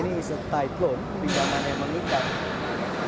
ini adalah pinjaman yang memikat